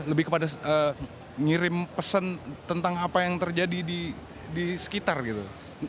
lebih kepada ngirim pesan tentang apa yang terjadi di sekitar gitu